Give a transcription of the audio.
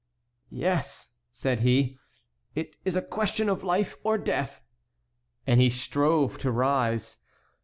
"Yes," said he, "it is a question of life or death." And he strove to rise.